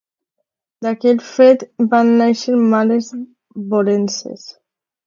D'aquell fet van néixer males volences.